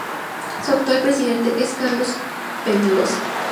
Su actual presidente es Carlos Peñaloza.